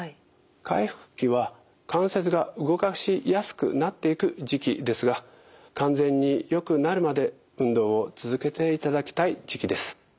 回復期は関節が動かしやすくなっていく時期ですが完全によくなるまで運動を続けていただきたい時期です。